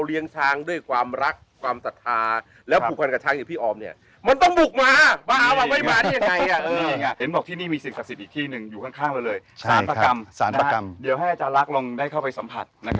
เดี๋ยวให้อาจารย์ลักษณ์ลงได้เข้าไปสัมผัส